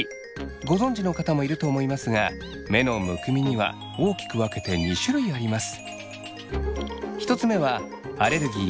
ご存じの方もいると思いますが目のむくみには大きく分けて２種類あります。